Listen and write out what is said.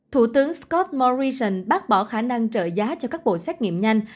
thủ tướng scott morrison bác bỏ khả năng trợ giá cho các bộ xét nghiệm nhanh